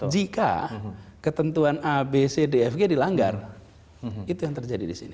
jika ketentuan abcdfg dilanggar itu yang terjadi di sini